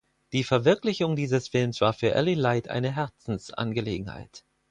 Die Verwirklichung dieses Films war für Allie Light eine Herzensangelegenheit.